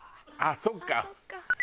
ああそうか。